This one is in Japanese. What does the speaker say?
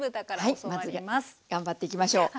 はい頑張っていきましょう。